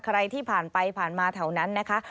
ใครที่ผ่านไปผ่านมาแถวนั้นนะคะ